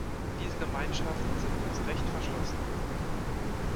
Diese Gemeinschaften sind meist recht verschlossen.